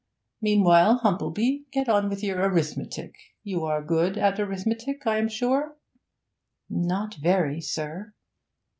Meanwhile, Humplebee, get on with your arithmetic. You are good at arithmetic, I am sure?' 'Not very, sir.'